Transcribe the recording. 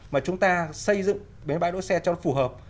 mà chúng ta xây dựng bãi đỗ xe cho phù hợp